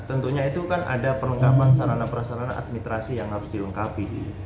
tentunya itu kan ada perlengkapan sarana prasarana administrasi yang harus dilengkapi